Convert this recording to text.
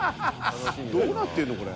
どうなってんの？